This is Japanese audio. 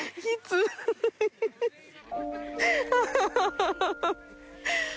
ハハハ